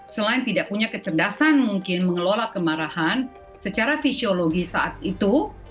selain tidak punya kecerdasan mungkin mengelola kemarahan secara fisiologis saat itu